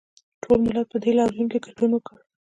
ټول ملت په دې لاریون کې ګډون وکړ